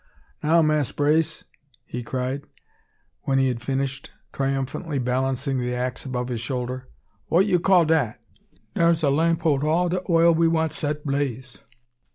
"Now, Mass' Brace," cried he, when he had finished, triumphantly balancing the axe above his shoulder, "wha' you call dat? Dar's a lamp hold all de oil we want set blaze.